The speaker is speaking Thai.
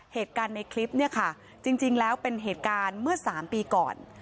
เหตุการณ์ในคลิปเนี่ยค่ะจริงแล้วเป็นเหตุการณ์เมื่อ๓ปีก่อน